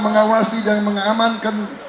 mengawasi dan mengamankan